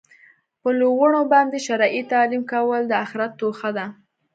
په لوڼو باندي شرعي تعلیم کول د آخرت توښه ده